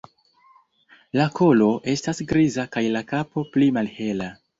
La kolo estas griza kaj la kapo pli malhela.